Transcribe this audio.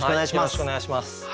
よろしくお願いします。